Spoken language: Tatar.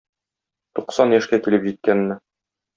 Туксан яшькә килеп җиткәнне!